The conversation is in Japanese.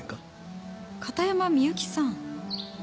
片山みゆきさん。